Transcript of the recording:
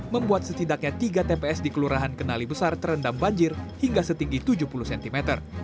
membuat setidaknya tiga tps di kelurahan kenali besar terendam banjir hingga setinggi tujuh puluh cm